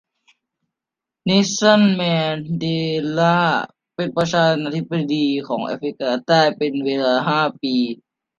เนลสันแมนเดลาเป็นประธานาธิปดีของแอฟริกาใต้เป็นเวลาห้าปี